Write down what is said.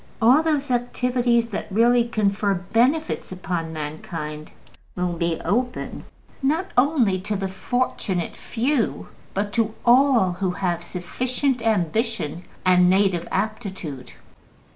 All those activities that really confer benefits upon mankind will be open, not only to the fortunate few, but to all who have sufficient ambition and native aptitude.